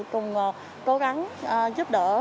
cùng cố gắng giúp đỡ